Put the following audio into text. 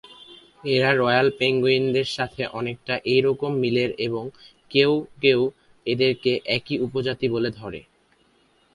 এরা royal penguin দের সাথে অনেকটা একইরকম মিলের এবং কেউ কেউ এদেরকে একই উপজাতি বলে ধরে।